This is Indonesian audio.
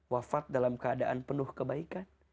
wafat dalam keadaan penuh kebaikan